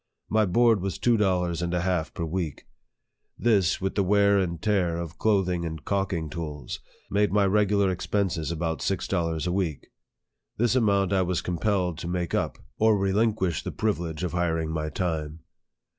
My board was two dollars and a half per week. This, with the wear and tear of clothing and calking tools, made my regular expenses about six dollars per week. This amount I was compelled to make up, or relinquish 104 NARRATIVE OP THE the privilege of hiring my time.